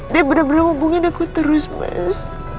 dia bener bener hubungin aku terus mas